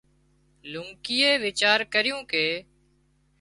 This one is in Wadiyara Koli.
لونڪيئي ويچار ڪريو ڪي